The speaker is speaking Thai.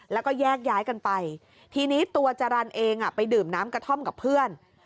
แล้วก็แยกย้ายกันไปทีนี้ตัวจรรย์เองไปดื่มน้ำกระท่อมกับเพื่อน